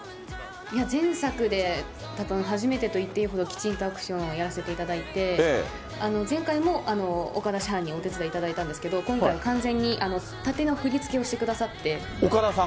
いや、前作で、たぶん初めてといっていいほどきちんとアクションをやらせていただいて、前回も岡田さんにお手伝いいただいたんですけど、今回は完全にタテの振り付けをしてくださって。